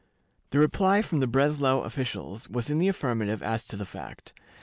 The reply from the Breslau officials was in the affirmative as to the fact.